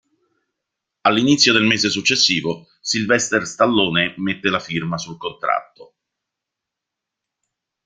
All'inizio del mese successivo Sylvester Stallone mette la firma sul contratto.